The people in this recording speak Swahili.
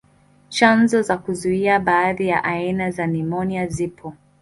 Chanjo za kuzuia baadhi ya aina za nimonia zipo.